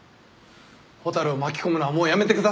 蛍を巻き込むのはもうやめてください！